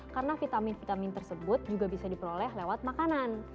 karena vitamin vitamin tersebut juga bisa diperoleh lewat makanan